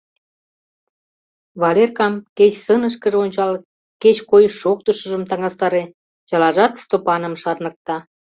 Валеркам кеч сынышкыже ончал, кеч койыш-шоктышыжым таҥастаре — чылажат Стопаным шарныкта.